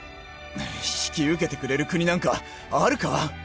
引き受けてくれる国なんかあるか？